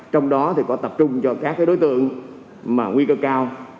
trong đó thì có tập trung cho các đối tượng mà nguy cơ cao